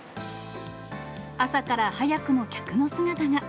朝から早くも客の姿が。